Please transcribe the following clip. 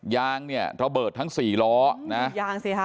ยางเนี่ยระเบิดทั้งสี่ล้อนะยางสิฮะ